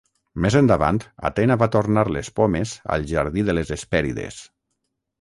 Més endavant, Atena va tornar les pomes al jardí de les Hespèrides.